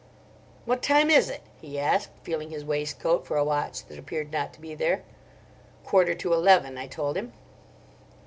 "What time is it?" he asked, feeling his waistcoat for a watch that appeared not to be there. "Quarter to eleven," I told him.